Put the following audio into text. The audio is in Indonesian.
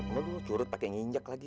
kamu tuh curut pake nginjek lagi